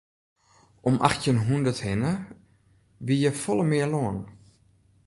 Om achttjin hûndert hinne wie hjir folle mear lân.